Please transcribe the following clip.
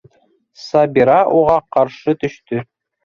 Сабира уға ҡаршы төштө: